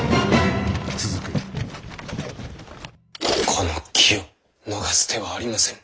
この機を逃す手はありませぬ。